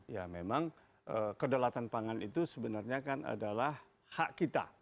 ya memang kedalatan pangan itu sebenarnya kan adalah hak kita